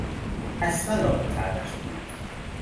اصلا عاقلتر نشده بود.